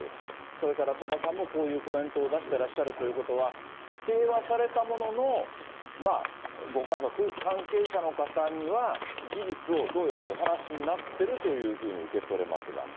それから鳥羽さんも、こういうコメントを出してらっしゃるということは、否定はされたものの、まあ、ご家族、関係者の方には、事実をどうやらお話になってるというふうに受け取れますが。